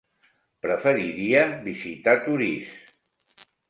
Preferiria visitar Torís.